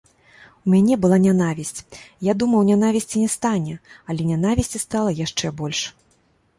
У мяне была нянавісць, я думаў, нянавісці не стане, але нянавісці стала яшчэ больш.